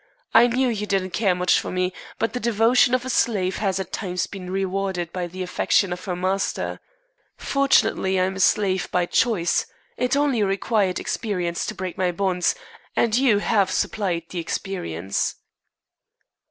I knew you didn't care much for me, but the devotion of a slave has at times been rewarded by the affection of her master. Fortunately, I am a slave by choice. It only required experience to break my bonds, and you have supplied the experience."